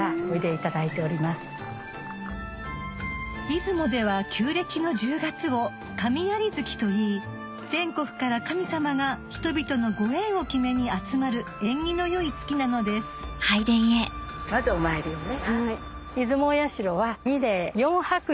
出雲では旧暦の１０月を「神在月」といい全国から神様が人々のご縁を決めに集まる縁起の良い月なのですまずお参りをね。